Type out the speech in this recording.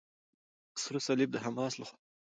سره صلیب د حماس لخوا.